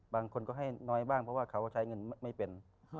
บางคนก็ให้น้อยบ้างเพราะว่าเขาใช้เงินไม่เป็น